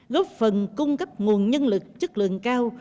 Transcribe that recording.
góp phần cung cấp nguồn nhân lực chất lượng cao